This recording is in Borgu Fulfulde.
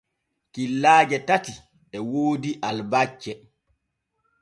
Killaaje tati e woodi albacce.